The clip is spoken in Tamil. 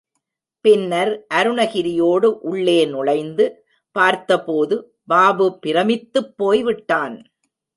பின்னர் அருணகிரியோடு உள்ளே நுழைந்து பார்த்தபோது, பாபு பிரமித்து போய் விட்டான்.